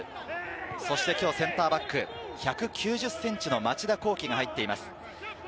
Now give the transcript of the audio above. そして今日、センターバック、１９０ｃｍの町田浩樹が入っています。